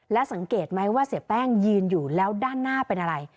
และสังเกตไหมว่าเสียแป้งยืนอยู่แล้วด้านหน้าเป็นอะไร